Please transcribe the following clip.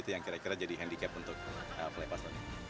yang kira kira jadi handicap untuk flypass